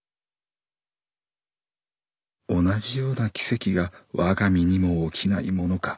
「同じような奇跡が我が身にも起きないものか。